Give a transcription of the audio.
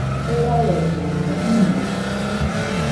Jeraɨredɨmɨe, iñeno